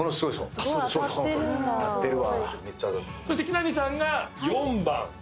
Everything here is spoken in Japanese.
そして木南さんが４番。